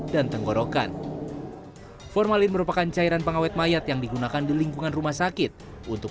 dan tenggorokan formalin merupakan cairan pengawet mayat yang digunakan di lingkungan rumah sakit untuk